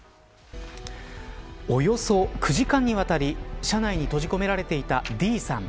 およそ９時間にわたり車内に閉じ込められていたＤさん。